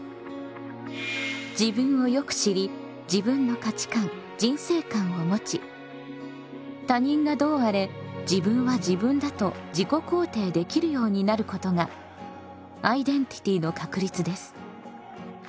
自分をよく知り自分の価値観・人生観をもち他人がどうあれ「自分は自分だと自己肯定」できるようになることがアイデンティティの確立です。